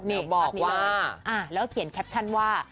นี่แล้วเขียนแคปชั่นว่า